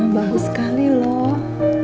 bagus sekali loh